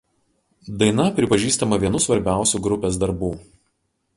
Daina pripažįstama vienu svarbiausių grupės darbų.